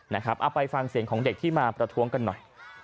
เอาไปฟังเสียงของเด็กที่มาประท้วงกันหน่อย